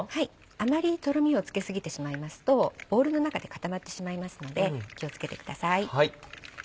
あまりとろみをつけ過ぎてしまいますとボウルの中で固まってしまいますので気を付けてください。